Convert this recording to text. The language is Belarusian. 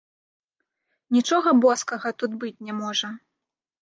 Нічога боскага тут быць не можа.